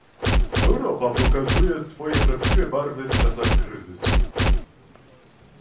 Europa pokazuje swoje prawdziwe barwy w czasach kryzysu